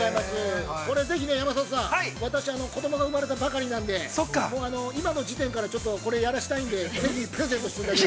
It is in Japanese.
◆これ、ぜひね、山里さん、私、子供が生まれたばかりなので今からこれをやらせたいのでぜひプレゼントしてください。